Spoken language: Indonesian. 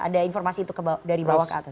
ada informasi itu dari bawah ke atas